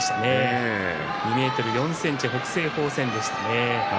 ２ｍ４ｃｍ北青鵬戦でしたね。